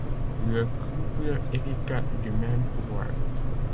Le couple hérita du même pouvoir.